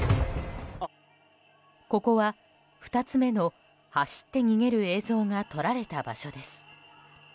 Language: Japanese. ここは、２つ目の走って逃げる映像が撮られた場所です。